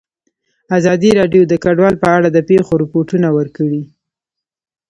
ازادي راډیو د کډوال په اړه د پېښو رپوټونه ورکړي.